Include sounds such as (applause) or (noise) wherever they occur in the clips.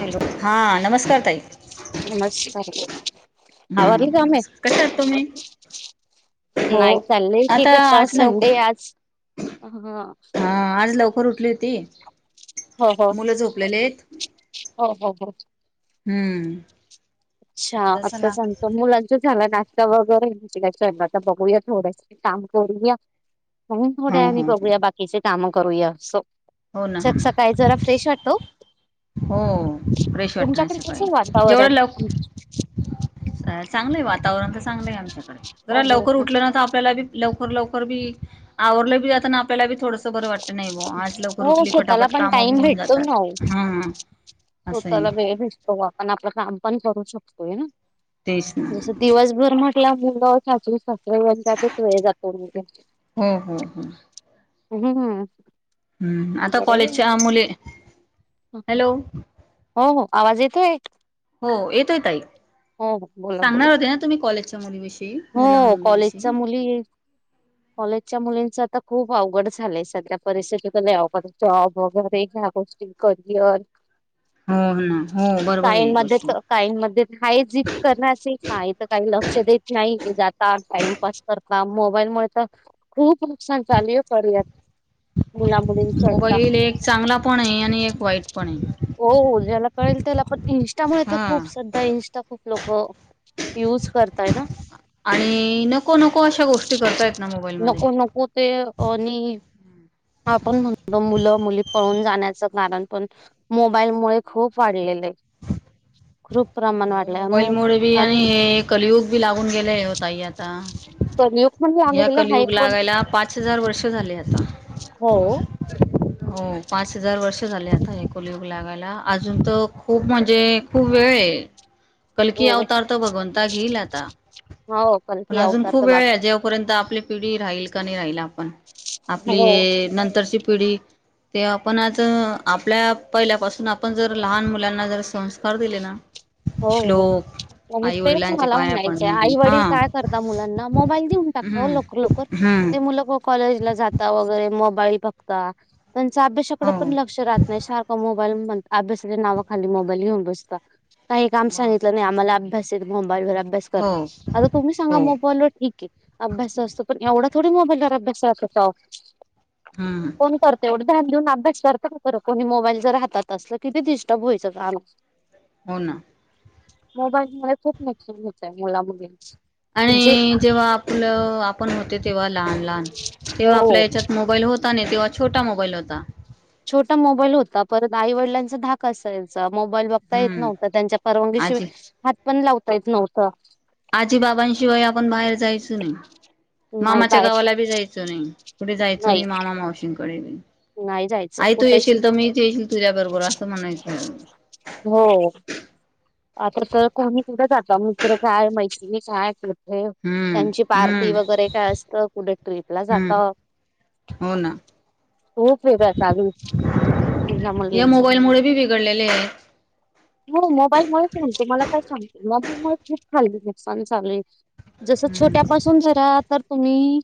Hello हा नमस्कार (unintelligible) नमस्कार. आवरली हम् कामे कश्या आहात तुम्ही. हो. नाही चाले क आता करता आज लवक संडे आज. (unintelligible) हा आज लवकर उठली होती हो (inaudible) मुलं झोपलेलेत (inaudible) हम्म अच्छा म्हटलं आता चला सांगत मुलां ज झाला ना वगैरे तर बघूया थोड्यास काम करूया हो हा थोड्या आम्ही हा बघूया बाकीचे काम करूया अस हो ना हो सक ना सकाळी जरा फ्रेश वाटतो हो प्रेश वाट नाही तुमच्याकडे कसं सकाळी वातावरण जेवढं लवकर अ चांगलंय वा वातावरण तरांगलंय आमच्याकडे हो ज हो लवकर हो उठलं नव्हं आपल्यालाी लवकर लवकर आवरलं बी जात आपल्याला थोडसं बरं वाटत नाही ब आज लव हो रूटली स्वतःला फटापट पण कामं बी टाइम होऊन भेटतो जातात ना ओ हम स्वतःला वेळ भेटतो आपण आपलं काम पण करू शकतो ना तेच ना जस दिवसभर म्हटलं मुलगा सासर सासरा ये त्याातच वेळ जातो हो हम्म, हम्म, हम्म हम्, हम्म हम्म आता बरं कॉलेजच्या आहे. मुले हॅलो हो हो आवाज येतोय हो येतोय तई हो हो बोला बोला. सांगणार होते ना तुम्ही कॉलेजच्या मुलीविषयी मुला हो मुलीविषयी कॉलेजचा मुली कॉलेजच्या मुलींचा खूप अवघड झालंय सध्या परिस्थितीत ल जॉब वगैरे ह्या गोष्टी करियर हो ह ना हो बरोबर आहे ही काईंमध्ये गोष्ट काहींमध्ये हाय झप करण्याचे काय तर काही लक्ष देत नाही जात टाइम पास करता मोबाईल मु तर खूप नुकसान चालू आहे करयार मुला मुलींच आता मोबाईल एक चांगला पण आहे आणि एक वाईट पण आहे हो ज्याला कळेल त्याला पण इन्स्टा मुळ तर हा खूप सध्या इन्स्टा खूप लोक युज करतय ना आणि नको, नको अशा गोष्टी करतायत ना मोबाईलमध्ये नको, नको ते नि आपण म्हणतो मुलं मुली पळून जाण्याचं कारण पण मोबाईल मुळे खूप वाढलेलं आहे (inaudible) प्रमाण हो वाढलं आहे मग मोबाईलमुळे बी आणि हे कलयुग बी लागून गेले हो ताई आता तर य म्हण आ कलयुग लागायला पाच हजार वर्ष झाले आता हो हो पाच हजार वर्ष झाले आता लागायला अजून तर खूप म्हणजे खूप वेळ आहे कलकी हो अवतार तर भगवंता घेईल आता हो पण कलकी अजून अवतार खूप तर वेळ बाकी जेवपर्यंत आपली प राहील का नाही राहील आपण आपली हो नंतरची पिढी ते आपण आज आपल्या पहिल्यापासून आपण जर लहान मु मुलांना जर संस्कार दिले ना हो हो श्लोक आई तेच वडिलांचे मला पाया म्हणायचे पडणे आई हा वडील काय करता मुलांना मोबाईल देऊन टाकत हम्म लोकर, लोकर हम्म ते मु कॉलेजला जाता वगैरे काही बघता त्यांच अभ्यासाकडे हो पण लक्ष राहत नाही सारख मोबा अभ्यासाच्या नावा खाली मोबाईल घेऊन बसता काही काम मग सांगितलं नाही आम्हाला अभ्यास मोबाईलर अभ्यास हो करत आता तुम्ही सांगा हो मोबाईल वर एत अभ्यास असतो पण एवढा थोडी मोबाईल अभ्यास हम्म कोण करत एवढ ध्यान देऊन अभ्यास करत कोणी मोबाईलच राहतात अस किती डिस्टर्ब व्हायचं काम हो ना मोबाईल मुळे खूप नुकसान होतं आहे मुला मुलींच जे आणि जेव्हा आपलं आपण होते तेव्हा लहान लहान तेव्हा हो आपल्या याच्यात मोबाईल होता ने तो छोटा मोबाईल होता. छोटा मोबाईल होता परत आई वडिलांचा धाक असायचा. मोबाईल बघता येत हम्म नव्हत त्यांच्या परवानगीशिवाय आजी हात पण लावता येत नव्हतं. आजी बाबांशिवाय आपण बाहेर जायोच नाही. नाही मामाच्या बाहेर गावाला बी जायचं नाही कुठे जायच नाही मामा मावशींकडे नाही जायचं आई तू कुठेच येशील त मीच येइन तुझ्या बरोबर आसं म्हणायचो. हो आता त कोणी कुठं जाता म दुसरं काय मैत्रीण एक हाय (unintelligible) हम्म त्यांची पार्टी हम्म वगैरे काय असतं कुठे ट्रिपला जाता हम्म हो ना खूप (unintelligible) चालून या मोबाईल मुळे बी बिघडलेले हे. हो मोबाईल मुळेच (unintelligible) मला काय सांगते मोबाईल मुळे खूप हाल्ली नुकसान झाले. जस छोट्या आहेत पासून जरा तर तुम्ही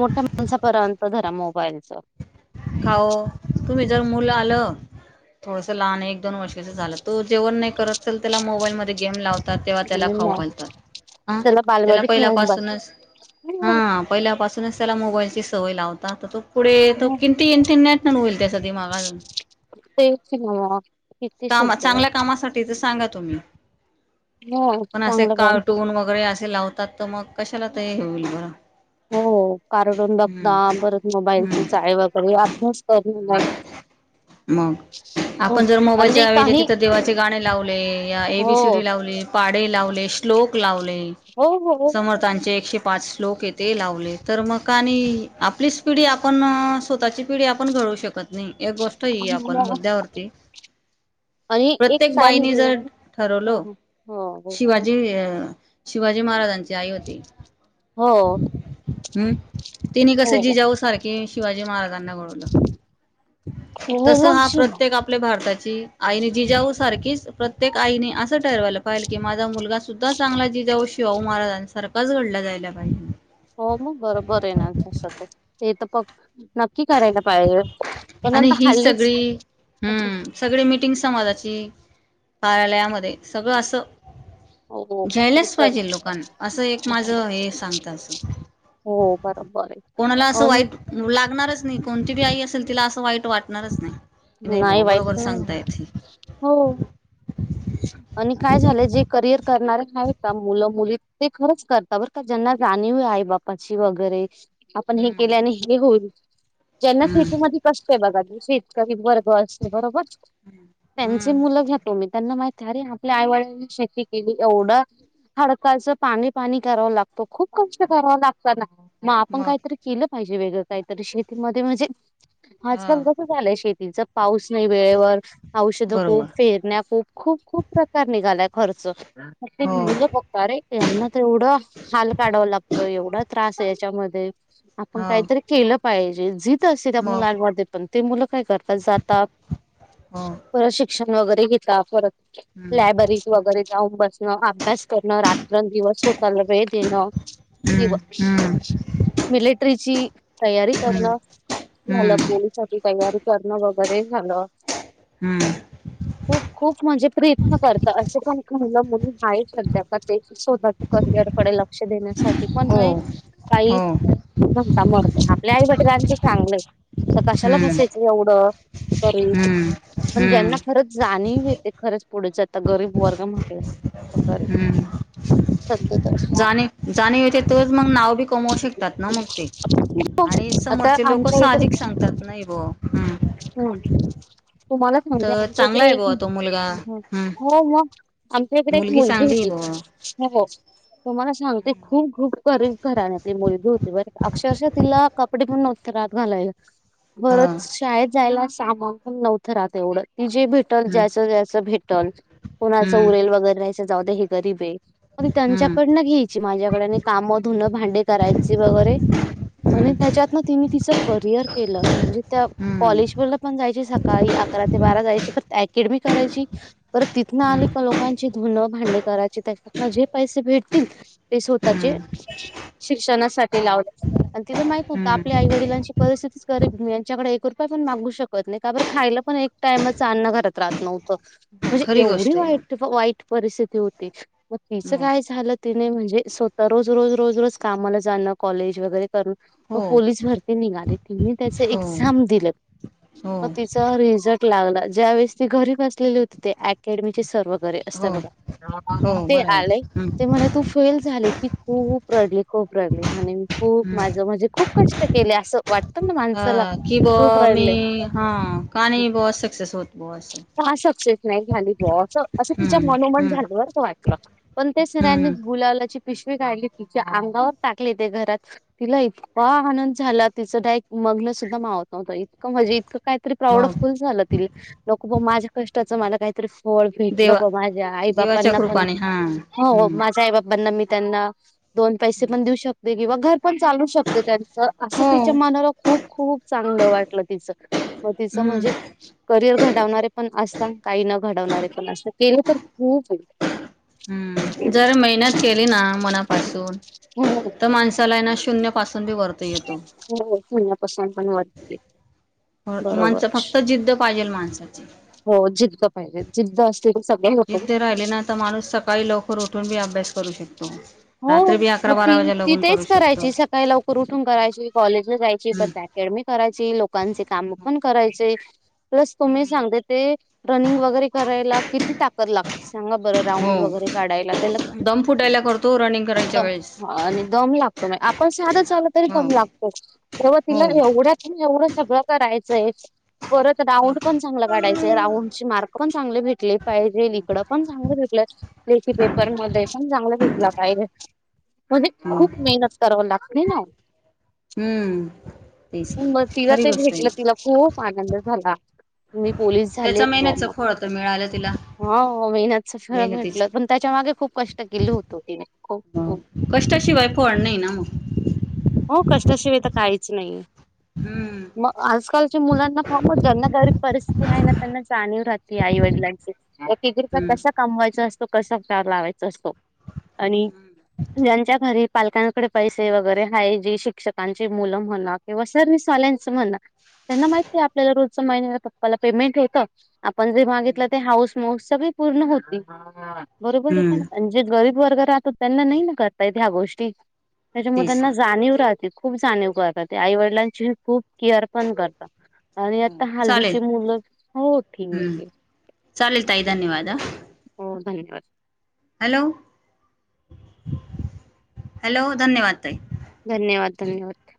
मोठ्या माणसापर्यंत धरा मोबाईल च का ओ तुम्ही जर मुलं आलं थोडस लहान एक दोन वर्षाच झालं तो जेवण नाही करत चल त्याला मोबाईल मध्ये गेम लाव तात तेव्हा त्याला खाऊ घालतात त्याला बालवाडीत नेऊन बस पहिल्यापासूनच हा पहिल्यापासूनच त्याला मोबाईलची सवय लावता तर तो पुढे त (unintelligible) होईल त्यासाठी माग अजून तेच नव्ह किती कामात सध्या चांगल्या कामासाठी तर सांगा तुम्ही हो पण असे चांगलं काम कार्टून वगैरे आसे लावतात त मग कशाला ते हे होईल बरं हो कारडून बघदा हम्म परत मोबाईलचे हम्म चाळे वगैरे अभ्यास कर रून मग मग आपण जर आणि मोबाईलच्या ऐजी काही तिथं देवाचे गाणे लावले, या हो एबीसीडी लावले, पाडे लावले श्लोक लावले, हो हो समर्थांचे एकशे पाच श्लोक हे ते लावले तर मग आणि आपलीच पिढी आपण स्वतःची पिढी आपण घडवू शकत नाही एक गोष्ट ये आपण मुद्द्यावरती आणि एक प्रत्येक काय बाईने जर हो हो ठरवलं हो हो हो शिवाजी अ शिवाजी महाराजांची आई होती हो हम् तिने कसं जिजाऊ सारखे शिवाजी महाराजांना घडवलं तस हा मग प्रत्येक आपल्या भारता ची आईनी जिजाऊ सारखीच प्रत्येक आईने आसं ठरवायला पाहेल की माझा मुलगा सुद्धा चांगला जिजाऊ शिवाह महाराजां सारखच घडला जायला पाहिजे हो मग बरोबर हेना तस त हे त पग नक्की करायला पाहिजे पण आणि आता ही हल्लीच सगळी हम् सगळी मिटिंग समाजाची कार्यालयामध्ये सगळं असं हो, हो घ्यायलाच ठीक पाहिजे लोकांना असं एक आहे माझं हे सांगत असं (unintelligible) हो बरोबर आहे कोणाला असं अन वाईट लागणारच नाही कोणती बी आई असेल तिला असं वाईट वाटणारच नाही. नाही भावा वाइट बरोबर नाही म्हण सांगतायत हे हो आणि काय झालं जे करियर करणारे आहेत का मुलं मुली ते खरंच करतात बरं का ज्यांना जाणीव हे आई बापाची वगैरे आपण हे हम्म केल्यानी हे होइल ज्यांना शेतीमध्ये कष्ट आहे बघा शेती करी वर्ग अस बरोबर त्यांची हम्म मुलं घेतो मी त्यांना माहि अरीे आपल्या आईवडंनी शेती केली एवढं हडकाचं पाणी पाणी करावं लागतो खूप कष्ट कराव लागत ना. मग आपण काहीतरी केलं पाहिजे वेगळं काहीतरी शेतीमध्ये म्हणजे आजकाल हा कसं झालंय. पाऊस नाही वेळेवर औषध खूप बरोबर फेरण्या खूप खूप खूप प्रकार निघाला. खर्च हो मुलं बघतरे यांना तर एवढं हाल काढाव लागतो एवढा त्रास. च्यामध्ये आपण हो काहीतरी केलं पाहिजे ज असे त्या मग मुलांमध्ये पण मुलपण काय करतात जाता हो परत शिक्षण वगैरे घेतता परत हम्म लायब्ररीज वगैरे जाऊन बस. अभ्यास करणं रात्र दिवस होताला वेळ देण. कवा हम्म हम्म मिलिटरीची तयारी हम्म करणार. झालं हम्म पोलीसाठी तयारी करण वगैरे झालं हम्म खूप खूप म्हणजे प्रीत. करत असे पण मुलं मुण आहे सध्या का स्वतःच्या करिअरसाठी लक्ष देण्यासाठी. पण हो ह काही हो नणता मर आपल्या आई वटिलां ते चांगलं. तर कशाला हम्म बसायच. एवढं तरी हम्म पण ज्यांना हम्म खरंच जाणीव होेते खरंच पुढेच आता गरीब वर्ग म्हटलं. ह् सध्या तर जाणी जाणी होते तोच मग नाव बी. कमव शकतात ना मग ते. आणि आता समोरचे लोक आमच्या इकडे साहजिक सांगतात नाही ब हम. हम्म तुम्हाला सांगते आमच्या इकडे आहे एक. बुवा तो मुलगा हम्म हो मग आमच्या इकडे एक मुलगी चांगली आहे बुवा होती हो. तुम्हाला सांगते खूप खूप कर करा. मुलगी होते बर अक्षरश तिला कपडे पण नव्हते रात घालायला. ह बरच शाळेत जायला सामानण नव्हतं राहत एवढं. ती जे भेटल हम्म जास्सत जास्त भेटल कोणाचं हम्म उरेल वगैरे राहायच जाऊ द हे गरीब आहे. म हम्म त्यांच्याकडन घ्यायची माझ्याकड आणि काम धुनं भांडे करायचे वगैरे. हम्म आणि त्याच्यात तिने तिच करियर केलं म्हणजे त्या हम्म कॉलेज व पण जाय सकाळी. अकरा ते बारा जायची अकेडमी करायची पर तिथन आली हम्म का लोकांची धुन भांडी. करा त्याच्या जे पैसे भेटतील ते स्वतःचे हम्म शिक्षणासाठी. ते लाव आणि तिला माहित न होतं आपल्या आई हम्म वडलांची परिस्थितीगरीब आहे.. ी यांच्याकडे एक रुपय पण मागू शकत नाही का बर खायला पण एक टामच अन्न घरात राहत नव्हतं. म्हणजे खरी एवढी गोष्ट आहे ना वाईट वाईट परिस्थिती होती मग तिच काय झालं तिने म्हणजे. स्वतः रोज रोज रोज रोज कामाला जाणं कॉलेज वगैरे. मग हो पोलीस भरती निघाली तनी त्याच हो एक्झाम दिलं. हो मग तिचा रिझल्ट लागला ज्या वेळेस ती घरी बसलेली होती ते अकॅडमीची सर्व. वगैरे अस हो ब हो ते बरोबर आय हम्म म्ह तू फेल झाले की खूप रडली. खूप रडली मग. खूप हम्म माज म्हणजे खूप कष्ट केले असं वाटत ना हा माणसाला कि खूप बुवा मी राहिले.. हा का नाही बुवा सक्सेस होत बुवा असं का सक्सेस नाही झाली ब अस असं तिच्या हम्म मनोमन हम्म झालं. बर वाटलं पण त्या सऱ्यांनी हम्म गुलालाची पिशवी काढली तिच्या. अंगावर टाकले ते घरात तिला इतका आनंद झाला तिचं डायट मगन सुद्धा मावत नव्हतं. म्हणजे इतकं काहीतरी प्राऊड मग फीलल झालं ति लको माझ्या कष्टाचं मला काहीतरी. होळ भेटलं देवा प माझ्या आई देवाच्या बापांना पण कृपाने हा हो हम्म माझ्या आई बापांना मी. त्यांना दोन पैसे पण देऊ शकते किंवा घर. पण चालू शकत त्यांच असं हो तिच्या मनाला खूप खूप चांगलं वाटलं तिच मग तिच हम्म जे करिअर घडवणारे पण असतात. पण काही न घडवणारे असतात मत केले तर खूप होईल. हम्म जर मेहनत केली ना मनापासून हो तर माणसाला आहे ना शून्य पासूनी वरतो. हो म्या पसंद पण वती. बरोबर माणसं आहे फक्त जिद्द पाहिजेल माणसाची हो जिद्द पाहिजे जिद्द असत. जिद्द राहिले ना तर माणूस सकाळी लवकर उठून बी अभ्यास करू शकत. हो मग ती तिथच करू शकतो करायची सकाळी लवकर उठून करायची कॉलेजला जायची प हम्म त्या. ेड म करायची लोकांचे काम पण करायचे. प्लस तुम्ही सांगते ते रनिंग वगैरे करायला किती ताकद लागते. चांगा बरं राऊंड वगैरे काढायला त्याला खा तु रनिंग करायच्या द वेळेस ह आणि दम लागतो नाही आपण साधं झालं तरी हो दम लागतो तेव्हा तिला हो एवढ्यात एवढं सगळं करायचंय परत राऊंड पण चांगलं काढायचंय राऊंड मार्क पण चांगले भेटले पाहिजेकडं पण चांगले भेटल लेखी पेपर मध्ये पण चांगले भेट पाहिजे म्हणजे मग खूप मेहनत कराव लागते ना हम्म तेच ना मग तिला खरी ते गोष्ट आहे भेटलं तिला खूप आनंद झाला मी पोलीस झाले त्याचा मेहनतचं बॉम्ब फळ तर मिळालं तिला हो मेहनतच फळ भेटलं पण त्याच्या मागे खूप कष्ट केले होत हो कष्टाशिवाय फड नाही ना मग हो कष्टाशिवाय तर काहीच नाहीय हम्म मग आजकालच्या मुलांना फोन ज्यांना गरीब परिस्थिती आहे ना त्यांना जाणीव ह आई वडिलांची एक एक रुपया हम्म कसा कमवायचा असतो कसा लावायचा असतो आणि ज्यांच्या घरी पालकांकडे पैसे वगैरे ह जी शिक्षकांची मुलं म्हणा किंवा सरनीसवाल्यांच म्हणा त्यांना माहिती आहे आपल्याला रोजच्या महिन्या पप्पाला पेमेंट होतं आपण जे मागितलं ते हाऊस मस सगळी पूर्ण होती बरोबर ठीक आहे हम्म नाण जे गरीब वर्ग राहतो त्यांना नाही ना करता येत ह्या गोष्टी त्याच्यामुळे तेच त्यांना ना. जाणीव राहते खूप जाणीव करते आई वडिलांची खूप केअर पण करतात आणि आता चालेल हल्लीचे मुलं हो ठीक हम्म आहे चालेल तई धन्यवाद आ हो धन्यवाद हॅलो, हॅलो धन्यवाद ताई धन्यवाद, धन्यवाद